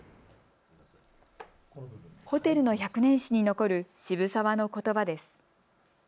ホテルの１００年史に残る渋沢のことばです。